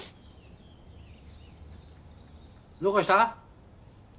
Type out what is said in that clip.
どうかした？